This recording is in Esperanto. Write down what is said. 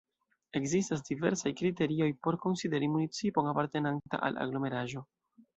Ekzistas diversaj kriterioj por konsideri municipon apartenanta al aglomeraĵo.